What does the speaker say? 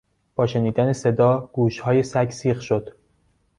با شنیدن صدا گوشهای سگ سیخ شد.